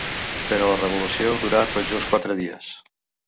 Però la revolució durà tot just quatre dies.